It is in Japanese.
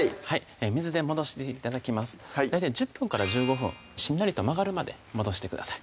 水で戻して頂きます大体１０分から１５分しんなりと曲がるまで戻してください